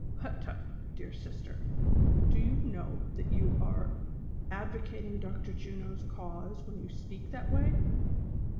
" Ilut tut ! dear sister, do you know that you are advo cating Dr. Juno's cause when you speak that way